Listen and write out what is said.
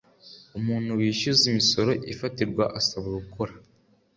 Umuntu wishyuza imisoro ifatirwa asabwa gukora